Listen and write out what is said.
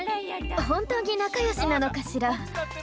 本当に仲よしなのかしら。